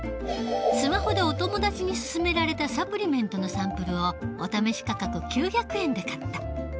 スマホでお友達に薦められたサプリメントのサンプルをお試し価格９００円で買った。